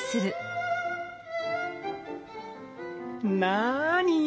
なに？